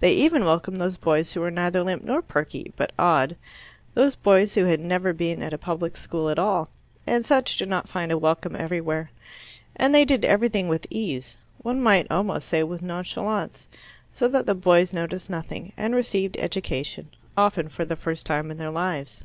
They even welcomed those boys who were neither limp nor perky, but odd those boys who had never been at a public school at all, and such do not find a welcome everywhere. And they did everything with ease one might almost say with nonchalance, so that the boys noticed nothing, and received education, often for the first time in their lives.